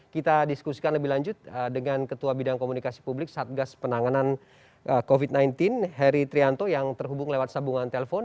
kita diskusikan lebih lanjut dengan ketua bidang komunikasi publik satgas penanganan covid sembilan belas heri trianto yang terhubung lewat sambungan telpon